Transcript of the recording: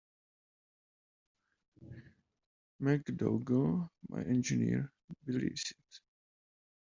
MacDougall, my engineer, believes it.